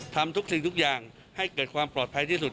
ทำทุกสิ่งทุกอย่างให้เกิดความปลอดภัยที่สุด